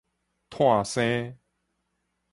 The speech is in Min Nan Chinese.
湠生